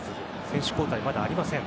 選手交代、まだありません。